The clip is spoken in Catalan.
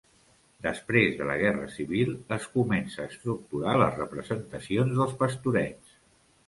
Després de la Guerra Civil es comença a estructurar les representacions dels Pastorets.